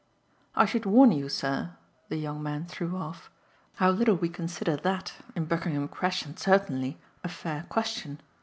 "I should warn you, sir," the young man threw off, "how little we consider that in Buckingham Crescent certainly a fair question.